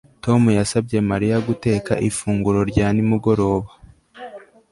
Tom yasabye Mariya guteka ifunguro rya nimugoroba